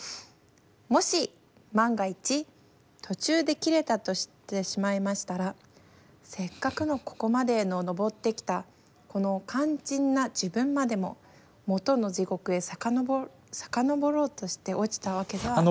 もし万が一途中で断れたとしてしまいましたらせっかくのここまでののぼって来たこの肝腎な自分までももとの地獄へさかのぼさかのぼろうとして落ちたわけ」。